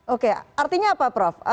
oke artinya apa prof